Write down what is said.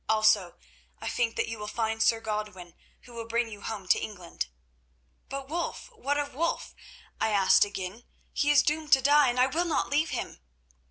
Also, I think that you will find Sir Godwin, who will bring you home to England.' "'But Wulf? What of Wulf?' I asked again. 'He is doomed to die, and I will not leave him.